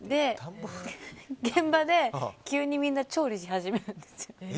現場で、急にみんな調理し始めるんですよ。